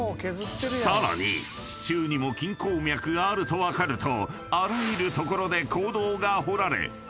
［さらに地中にも金鉱脈があると分かるとあらゆる所で坑道が掘られ］